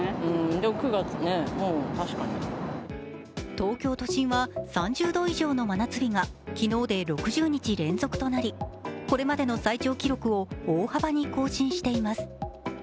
東京都心は３０度以上の真夏日が昨日で６０日連続となり、これまでの最長記録を大幅に更新しています。